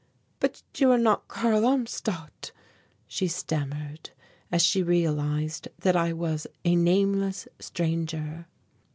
"But you are not Karl Armstadt," she stammered, as she realized that I was a nameless stranger.